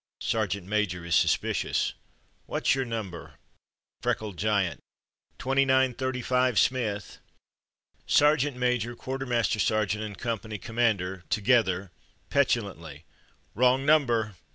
Sergeant major is suspicious. ^'What's your number?'' Freckled giant: "Twenty nine thirty five Smith." Sergeant major, quartermaster sergeant, and company commander (together, petu lantly): "Wrong number!!